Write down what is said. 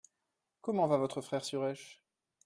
Comment va votre frère Suresh ?